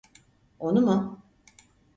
Onu mu?